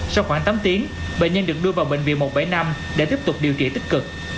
sau khoảng tám tiếng bệnh nhân được đưa vào bệnh viện một trăm bảy mươi năm để tiếp tục điều trị tích cực